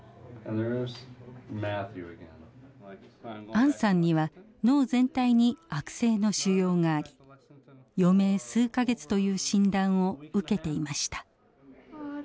アンさんには脳全体に悪性の腫瘍があり余命数か月という診断を受けていました。